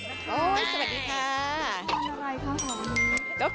สวัสดีค่ะ